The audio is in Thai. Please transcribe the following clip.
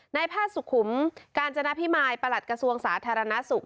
ในพาสสุขุมการจนพิมายประหลัดกระทรวงศาสตร์ธรรณสูง